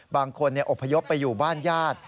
บางคนอบพยพไปอยู่บ้านญาติ